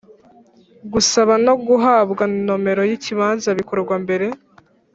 Gusaba no guhabwa nomero y’ikibanza bikorwa mbere